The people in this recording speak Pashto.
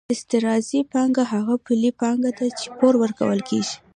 استقراضي پانګه هغه پولي پانګه ده چې پور ورکول کېږي